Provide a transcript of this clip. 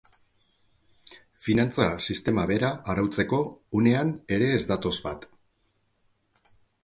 Finantza sistema bera arautzeko unean ere ez datoz bat.